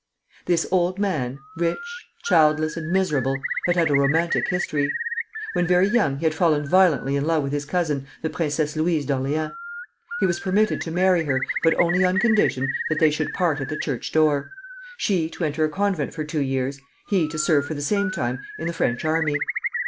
This old man, rich, childless, and miserable, had had a romantic history. When very young he had fallen violently in love with his cousin, the Princess Louise of Orleans. He was permitted to marry her, but only on condition that they should part at the church door, she to enter a convent for two years, he to serve for the same time in the French army.